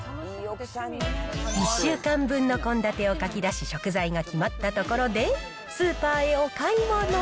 １週間分の献立を書き出し、食材が決まったところで、スーパーへお買い物。